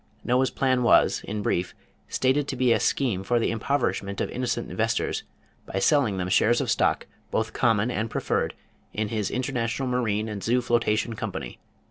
Noah's plan was in brief stated to be a scheme for the impoverishment of innocent investors, by selling them shares of stock, both common and preferred, in his International Marine and Zoo Flotation Company.